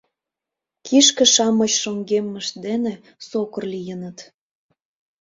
Кишке-шамыч шоҥгеммышт дене сокыр лийыныт.